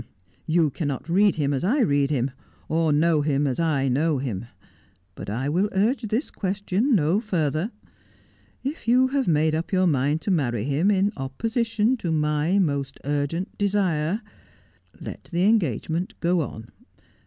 ' You cannot read him as I read him, or know him as I know him. But I will urge this question no further. If you have made \vp your mind to marry him, in opposition to my most urgent desire, let the engagement go on.